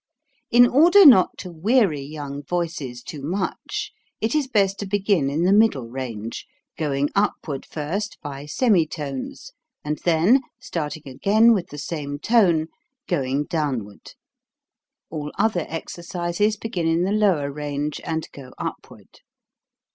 In order not to weary young voices too much, it is best to begin in the middle range, going upward first, by semitones, and then, starting again with the same tone, going downward. All other exercises begin in the lower range and go upward.